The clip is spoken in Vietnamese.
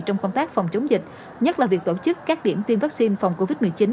trong công tác phòng chống dịch nhất là việc tổ chức các điểm tiêm vaccine phòng covid một mươi chín